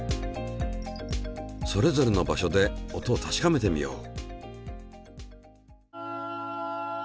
それぞれの場所で音を確かめてみよう。